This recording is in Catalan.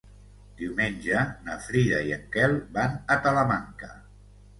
Diumenge na Frida i en Quel van a Talamanca.